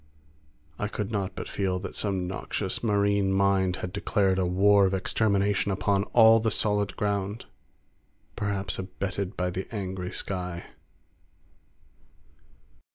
I could not but feel that some noxious marine mind had declared a war of extermination upon all the solid ground, perhaps abetted by the angry sky.